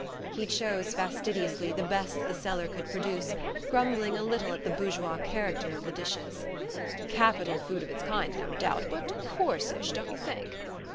He chose, fastidiously, the best the cellar could produce, grumbling a little at the bourgeois character of the dishes. "Capital food of its kind, no doubt, but coarsish, don't you think?